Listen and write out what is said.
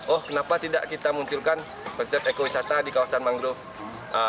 oh kenapa tidak kita munculkan konsep ekowisata di kawasan mangrove